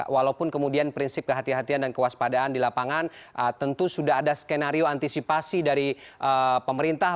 walaupun kemudian prinsip kehatian kehatian dan kewaspadaan di lapangan tentu sudah ada skenario antisipasi dari pemerintah